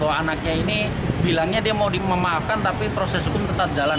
bahwa anaknya ini bilangnya dia mau dimaafkan tapi proses hukum tetap jalan